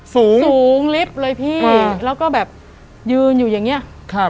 สูงสูงลิฟต์เลยพี่แล้วก็แบบยืนอยู่อย่างเงี้ยครับ